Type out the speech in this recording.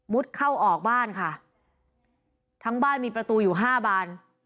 เข้าออกบ้านค่ะทั้งบ้านมีประตูอยู่ห้าบาน